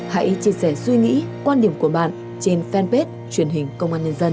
hãy chia sẻ suy nghĩ quan điểm của bạn trên fanpage truyền hình công an nhân dân